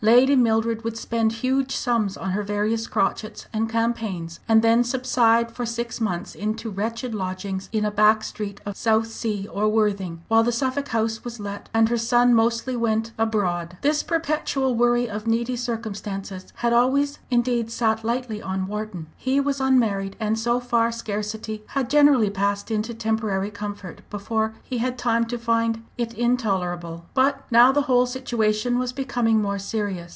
Lady Mildred would spend huge sums on her various crotchets and campaigns, and then subside for six months into wretched lodgings in a back street of Southsea or Worthing, while the Suffolk house was let, and her son mostly went abroad. This perpetual worry of needy circumstances had always, indeed, sat lightly on Wharton. He was unmarried, and so far scarcity had generally passed into temporary comfort before he had time to find it intolerable. But now the whole situation was becoming more serious.